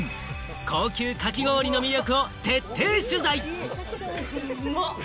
高級かき氷の魅力を徹底取材！